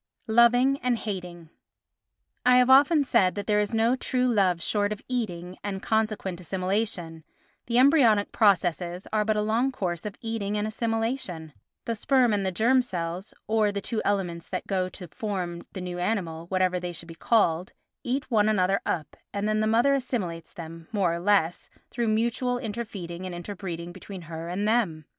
Loving and Hating I have often said that there is no true love short of eating and consequent assimilation; the embryonic processes are but a long course of eating and assimilation—the sperm and germ cells, or the two elements that go to form the new animal, whatever they should be called, eat one another up, and then the mother assimilates them, more or less, through mutual inter feeding and inter breeding between her and them.